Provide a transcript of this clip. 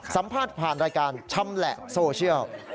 สัมภาษณ์ผ่านรายการชำแหละโซเชียล